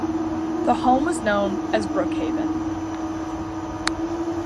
The home was known as Brookehaven.